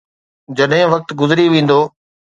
جڏهن وقت گذري ويندو.